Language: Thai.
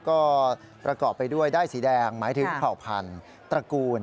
ก็ประกอบไปด้วยด้ายสีแดงหมายถึงเผ่าพันธุ์ตระกูล